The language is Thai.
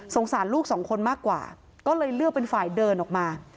สารลูกสองคนมากกว่าก็เลยเลือกเป็นฝ่ายเดินออกมา